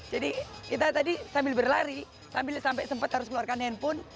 jadi kita tadi sambil berlari sambil sampai sempat harus keluarkan handphone